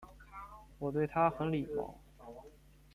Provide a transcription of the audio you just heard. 我对他很礼貌